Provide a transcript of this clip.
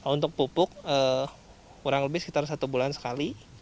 untuk pupuk kurang lebih sekitar satu bulan sekali